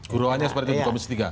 guruannya seperti itu pak bistika